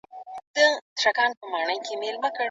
اقتصادي ودې د چټک دوران له لاري ځان څرګنداوه.